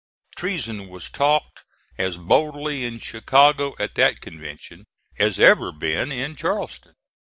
Treason was talked as boldly in Chicago at that convention as ever been in Charleston.